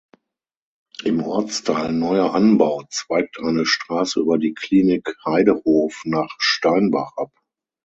Im Ortsteil Neuer Anbau zweigt eine Straße über die Klinik Heidehof nach Steinbach ab.